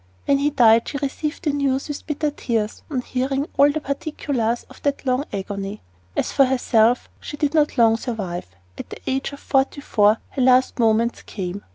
When he died she received the news with bitter tears "on hearing all the particulars of that long agony." As for herself, she did not long survive. At the age of forty four her last moments came.